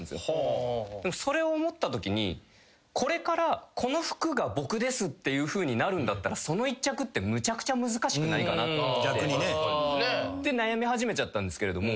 それを思ったときにこれからこの服が僕ですっていうふうになるんだったらその１着ってむちゃくちゃ難しくないかなって悩み始めちゃったんですけれども